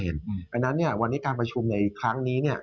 เพราะฉะนั้นเนี่ยวันนี้การประชุมในครั้งนี้เนี่ย